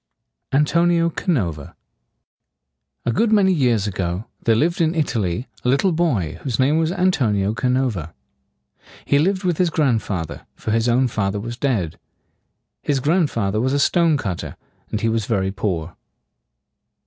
ANTONIO CANOVA. A good many years ago there lived in Italy a little boy whose name was An to´ni o Ca no´va. He lived with his grand fa ther, for his own father was dead. His grand fa ther was a stone cut ter, and he was very poor.